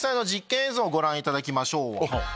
ご覧いただきましょう。